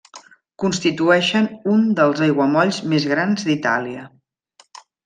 Constitueixen un dels aiguamolls més grans d'Itàlia.